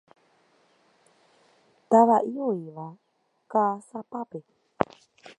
Tava'i oĩva Ka'asapápe.